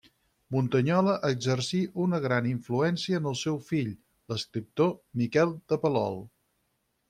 Muntanyola exercí una gran influència en el seu fill, l'escriptor Miquel de Palol.